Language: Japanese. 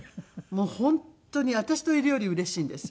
もう本当に私といるよりうれしいんです。